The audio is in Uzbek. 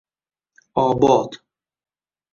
— Obod.